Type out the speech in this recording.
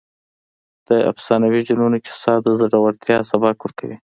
د افسانوي جنونو کیسه د زړورتیا سبق ورکوي.